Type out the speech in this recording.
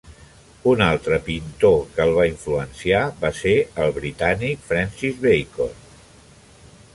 Un altre pintor que el va influenciar va ser el britànic Francis Bacon.